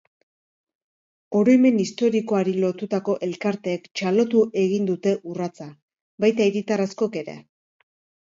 Oroimen historikoari lotutako elkarteek txalotu egin dute urratsa, baita hiritar askok ere.